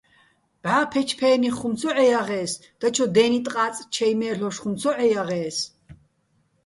ბჵა ფე́ჩფე́ნიხ ხუმ ცო ჺეჲაღე́ს, დაჩო დე́ნი ტყაწ ჩაჲ მე́ლ'ოშ ხუმ ცო ჺეჲაღე́ს.